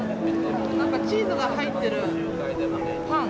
何かチーズが入ってるパン。